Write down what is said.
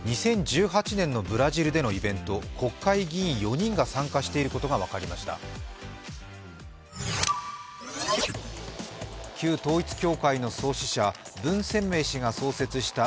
２０１８年のブラジルでのイベント、国会議員４人が参加していることが分かりました。